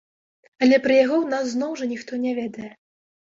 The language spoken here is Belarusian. Але пра яго ў нас зноў жа ніхто не ведае.